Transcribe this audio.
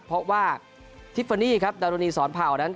เพราะว่าทิฟฟานี่ดาวนีศรพาวนั้น